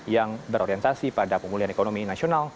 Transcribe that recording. yang berorientasi pada pemulihan ekonomi nasional